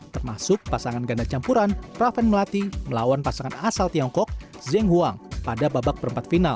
termasuk pasangan ganda campuran raven melati melawan pasangan asal tiongkok zeng huang pada babak perempat final